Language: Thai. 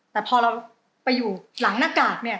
แต่พอเราไปอยู่หลังหน้ากากเนี่ย